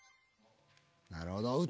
なるほど。